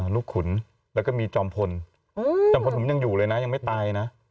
ขุนแล้วก็มีจอมพลจอมพลผมยังอยู่เลยนะยังไม่ตายนะ